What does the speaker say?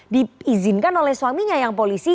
diizinkan oleh suaminya yang polisi